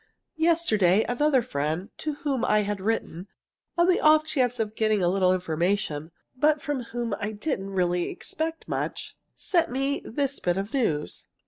Yesterday another friend to whom I had written, on the off chance of getting a little information (but from whom I really didn't expect much) sent me this bit of news.